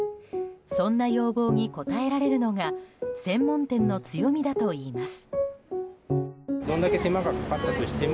そんな要望に応えられるのが専門店の強みだといいます。